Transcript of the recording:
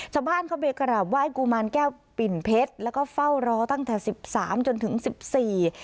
ชาวบ้านเข้าไปกราบไหว้กุมารแก้วปิ่นเพชรแล้วก็เฝ้ารอตั้งแต่สิบสามจนถึงสิบสี่